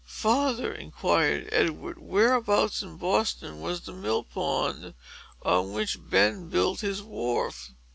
"Father," inquired Edward, "whereabouts in Boston was the mill pond, on which Ben built his wharf?"